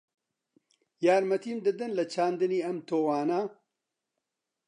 یارمەتیم دەدەن لە چاندنی ئەم تۆوانە؟